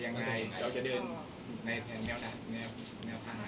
ควันเรียนรับความรัก